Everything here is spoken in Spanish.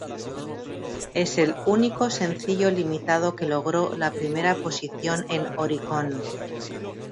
Es el único sencillo limitado que logró la primera posición en Oricon.